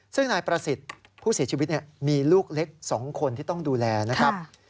ซึ่งนายประสิทธิ์ผู้เสียชีวิตมีลูกเล็ก๒คนที่ต้องดูแลนะครับ